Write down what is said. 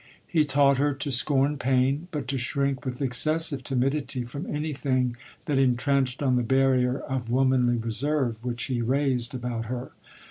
He taught her to scorn pain, but to shrink with excessive timidity from any tiling that intrenched on the barrier of womanly reserve which he raised about her.